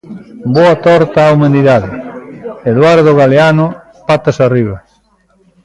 Boa torta á humanidade. Eduardo Galeano, Patas arriba.